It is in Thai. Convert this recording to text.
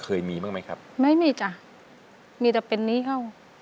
เคยมีบ้างไหมครับไม่มีจ้ะมีแต่เป็นหนี้เขา